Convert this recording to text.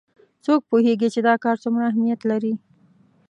څوک پوهیږي چې دا کار څومره اهمیت لري